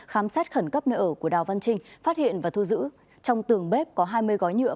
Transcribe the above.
khám xét khẩn cấp nơi ở của đào văn trinh phát hiện và thu giữ trong tường bếp có hai mươi gói nhựa